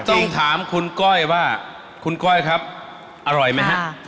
ต้องถามคุณก้อยว่าคุณก้อยครับอร่อยไหมฮะ